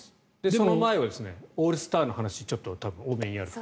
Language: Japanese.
その前はオールスターの話多分多めにやるかと。